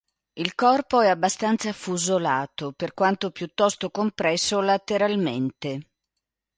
Il corpo è abbastanza affusolato, per quanto piuttosto compresso lateralmente.